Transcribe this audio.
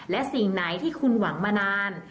และสิ่งไหนที่คุณหวังมานาน